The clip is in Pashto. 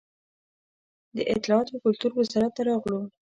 د اطلاعات و کلتور وزارت ته راغلو.